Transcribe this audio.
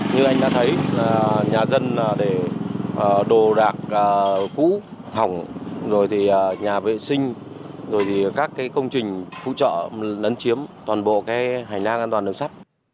như anh đã thấy nhà dân để đồ đạc cũ thỏng rồi thì nhà vệ sinh rồi thì các công trình phụ trợ lấn chiếm toàn bộ hành lang an toàn đường sắt